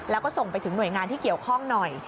แล้วก็ส่งไปถึงหน่วยงานที่เกี่ยวข้องหน่อย